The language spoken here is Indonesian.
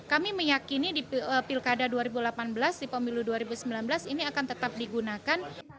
kami meyakini di pilkada dua ribu delapan belas di pemilu dua ribu sembilan belas ini akan tetap digunakan